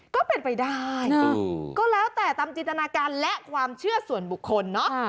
ก็เป็นไปได้ก็แล้วแต่ตามจินตนาการและความเชื่อส่วนบุคคลเนอะ